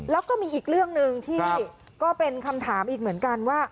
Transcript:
แล้วก็มีอีกเรื่องหนึ่งที่ก็เป็นคำถามอีกเหมือนกันว่า